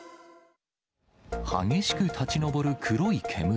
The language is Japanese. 激しく立ち上る黒い煙。